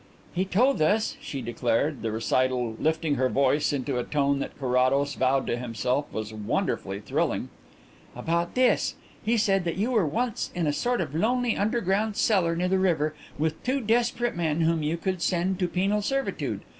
"He told us," she declared, the recital lifting her voice into a tone that Carrados vowed to himself was wonderfully thrilling, "about this: He said that you were once in a sort of lonely underground cellar near the river with two desperate men whom you could send to penal servitude.